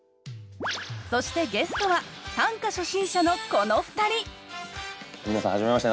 そしてゲストは短歌初心者のこの２人皆さんはじめまして。